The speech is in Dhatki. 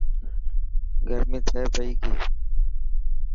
گرمي ٿي پئي ڪي.